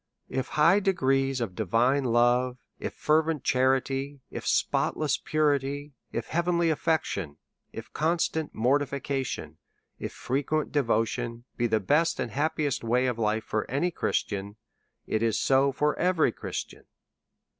If high degrees of divine love, fervent charity, spotless purity, heaven ly affection, constant mortification, frequent devotion, be the best and happiest way of life for any Christian, it is so for all.